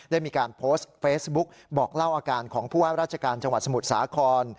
ได้มีการโพสต์เฟซบุ๊กบอกเล่าอาการของผู้ว่าราชการจังหวัดสมุทรสาคร